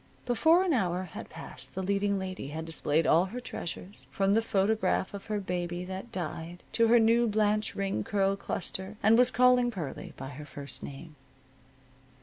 Before an hour had passed, the leading lady had displayed all her treasures, from the photograph of her baby that died to her new Blanche Ring curl cluster, and was calling Pearlie by her first name.